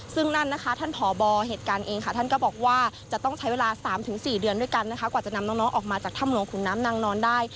ซึ่งนั่นนะคะท่านผอบอเหตุการณ์เองค่ะท่านก็บอกว่าจะต้องใช้เวลา๓๔เดือนด้วยกันนะคะกว่าจะนำน้องออกมาจากถ้ำหลวงขุนน้ำนางนอนได้